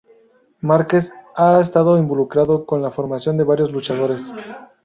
Márquez ha estado involucrado con la formación de varios luchadores.